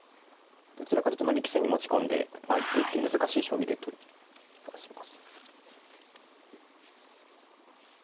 どちらかというと力戦に持ち込んで一手一手難しい将棋でという気がします。